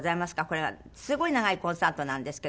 これがすごい長いコンサートなんですけども。